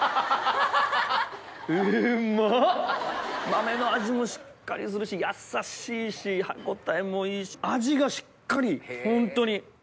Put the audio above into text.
豆の味もしっかりするしやさしいし歯応えもいいし味がしっかりホントに。